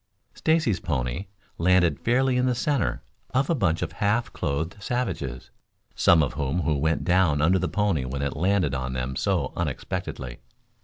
Stacy's pony landed fairly in the center of a bunch of half clothed savages; some of whom went down under the pony when it landed on them so unexpectedly.